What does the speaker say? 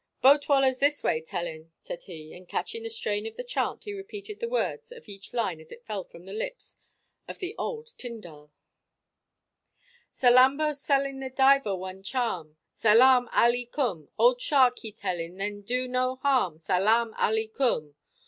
"Boat wallahs this way telling, sa'b," said he; and, catching the strain of the chant, he repeated the words of each line as it fell from the lips of the old tyndal: "Salambo selling the diver one charm, Salaam, Alii kum! Old shark, he telling, then do no harm, Salaam, Alii kum!